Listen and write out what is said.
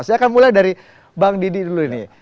saya akan mulai dari bang didi dulu ini